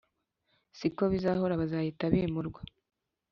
Siko bizahora bazahita bimurwa